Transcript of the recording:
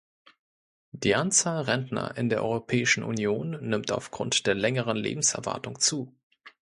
Die Anzahl Rentner in der Europäischen Union nimmt aufgrund der längeren Lebenserwartung zu.